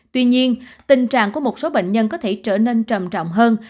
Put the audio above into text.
tuy nhiên tình trạng của một số bệnh nhân có thể trở nên trầm trọng hơn